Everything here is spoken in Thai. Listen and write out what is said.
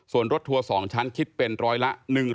ส่วนรถทัวร์๒ชั้นคิดเป็นร้อยละ๑๐๐